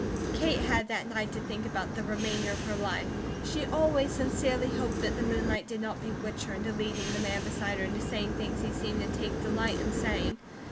Kate had that night to think about the remainder of her life. She always sincerely hoped that the moonlight did not bewitch her into leading the man beside her into saying things he seemed to take delight in saying.